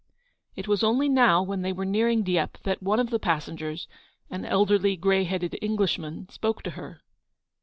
It was only now, when they were nearing Dieppe, that one of the passengers, an elderly, grey headed Englishman, spoke to her.